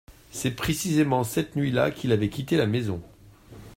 C’est précisément cette nuit-là qu’il avait quitté la maison.